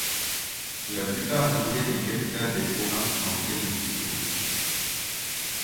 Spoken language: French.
La plupart deviennent les capitales des provinces dans lesquelles elles se trouvent.